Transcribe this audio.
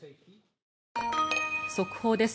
速報です。